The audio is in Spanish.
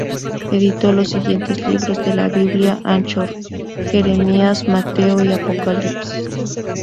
Editó los siguientes libros de la Biblia Anchor: Jeremías, Mateo y Apocalipsis.